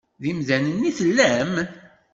D imdanen i tellam?